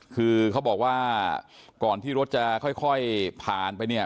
คือเขาบอกว่าก่อนที่รถจะค่อยผ่านไปเนี่ย